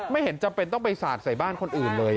ไม่เห็นจำเป็นต้องไปสาดใส่บ้านคนอื่นเลย